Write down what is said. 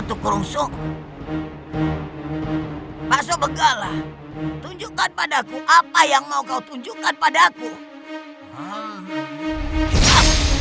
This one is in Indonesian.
sembara bisa keluar dari kutukan demi medusa